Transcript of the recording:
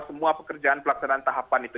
semua pekerjaan pelaksanaan tahapan itu